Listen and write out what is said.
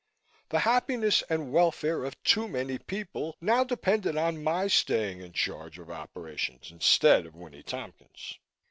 The happiness and welfare of too many people now depended on my staying in charge of operations instead of Winnie Tompkins.